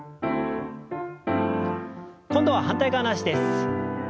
今度は反対側の脚です。